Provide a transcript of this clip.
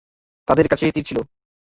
তাদের কাছেও তীর ছিল।